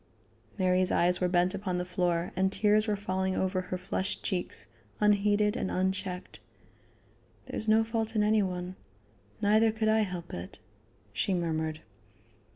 Mary's eyes were bent upon the floor, and tears were falling over her flushed cheeks, unheeded and unchecked. "There is no fault in any one; neither could I help it," she murmured.